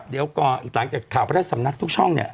เอียกต่างจากข่าวทะปริศนาททุกช่องเนี้ย